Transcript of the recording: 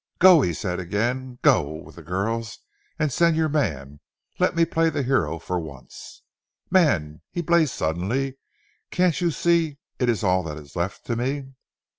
Go!" he said again. "Go with the girls and send your man. Let me play the hero for once.... Man!" he blazed suddenly, "can't you see it is all that is left to me."